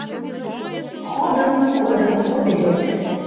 Ходым, кодым ход идёт